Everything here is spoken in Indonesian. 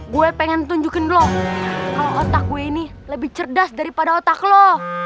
gue pengen tunjukin lo otak gue ini lebih cerdas daripada otak lo